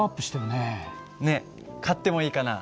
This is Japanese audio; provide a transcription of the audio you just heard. ねえ買ってもいいかな？